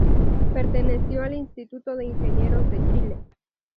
Perteneció al Instituto de Ingenieros de Chile.